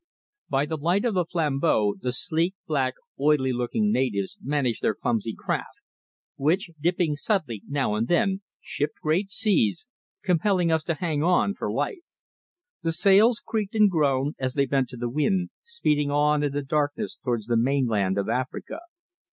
BY the light of the flambeaux the sleek, black, oily looking natives managed their clumsy craft, which, dipping suddenly now and then, shipped great seas, compelling us to hang on for life. The sails creaked and groaned as they bent to the wind, speeding on in the darkness towards the mainland of Africa.